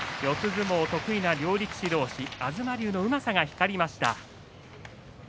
相撲得意な両力士同士東龍のうまさが光りました。